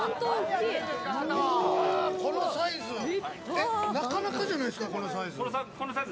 えっ、なかなかじゃないですか、このサイズ。